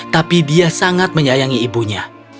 tapi dia sangat menyayangi ibunya